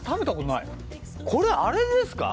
これあれですか？